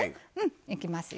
いきますよ。